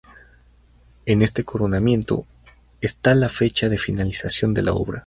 En este coronamiento está la fecha de finalización de la obra.